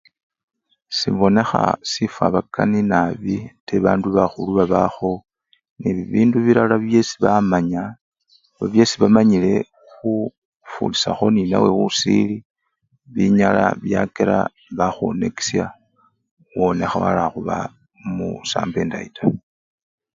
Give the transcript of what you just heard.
Sibonekha sifwabakani nabii ate bandu bakhulu babakho nebibindu bilala byesi bamanya oba byesi bamanyile khu! khufurisakho nenawe osili binyala byakela bakhwonakisha wonekha wala khuba musambo endayi taa.